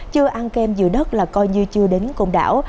món kem dừa đất là coi như chưa đến côn đảo